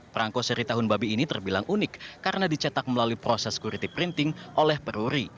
perangko seri tahun babi ini terbilang unik karena dicetak melalui proses security printing oleh peruri